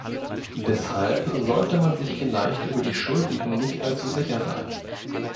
Deshalb sollte man sich vielleicht über die Schuldigen nicht allzu sicher sein.